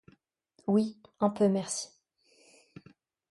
Oui, un peu, merci.